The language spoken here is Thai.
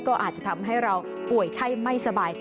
ก็อาจจะทำให้เราป่วยไข้ไม่สบาย